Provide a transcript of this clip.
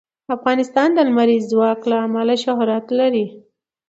افغانستان د لمریز ځواک له امله شهرت لري.